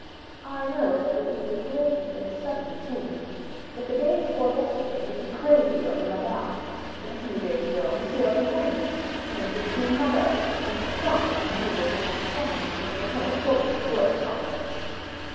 "I know that the king is greatly and suddenly changed; that the day before yesterday he was crazy over Madame; that a few days ago, Monsieur complained of it, even to the queen mother; and that some conjugal misunderstandings and maternal scoldings were the consequence."